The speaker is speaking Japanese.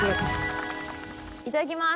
いただきます。